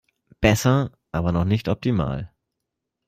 Besser, aber noch nicht optimal.